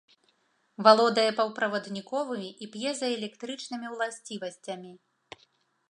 Валодае паўправадніковымі і п'езаэлектрычнымі ўласцівасцямі.